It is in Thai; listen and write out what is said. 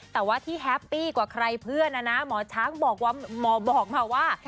แต่ว่าที่แฮปปี้กว่าใครเพื่อนนะหมอเช้าณ์บอกมาว่า